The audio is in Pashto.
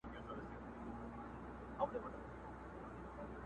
o چي ښه، هلته دي شپه!